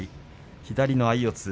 左の相四つ。